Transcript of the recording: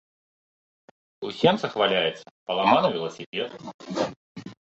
У сенцах валяецца паламаны веласіпед.